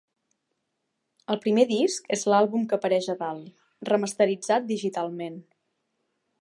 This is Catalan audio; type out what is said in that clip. El primer disc és l'àlbum que apareix a dalt, remasteritzat digitalment.